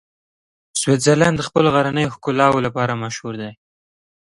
سویټزرلنډ د خپلو غرنیو ښکلاوو لپاره مشهوره دی.